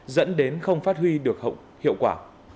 dẫn đến không phát huy được hậu hiệu quả